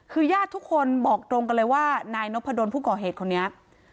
คือญาติทุกคนบอกตรงกันเลยว่านายนพดลผู้ก่อเหตุคนนี้